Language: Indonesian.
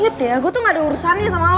ingat ya gue tuh gak ada urusannya sama lo